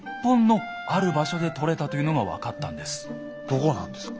どこなんですか？